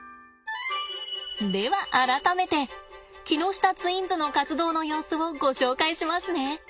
では改めて木下ツインズの活動の様子をご紹介しますね。